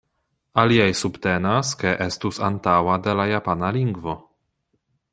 Aliaj subtenas ke estus antaŭa de la japana lingvo.